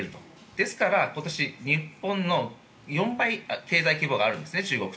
ですから、今年日本の４倍の経済規模があるんですね。